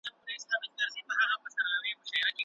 تاریخ په خپل دوران کي له مرحلو تیریږي.